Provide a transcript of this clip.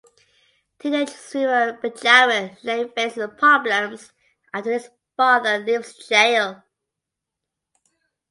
Teenage swimmer Benjamin Lane faces problems after his father leaves jail.